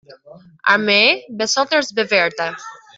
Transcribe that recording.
Armee besonders bewährte.